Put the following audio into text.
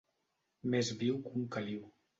Més viu que un caliu.